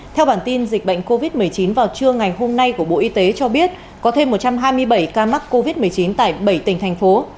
theo bản tin dịch bệnh covid một mươi chín vào trưa ngày hôm nay của bộ y tế cho biết có thêm một trăm hai mươi bảy ca mắc covid một mươi chín tại bảy tỉnh thành phố